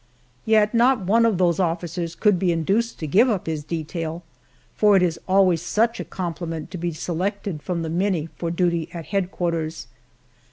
Yet not one of those officers could be induced to give up his detail, for it is always such a compliment to be selected from the many for duty at headquarters.